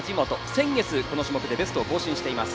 先月、この種目でベストを更新しています。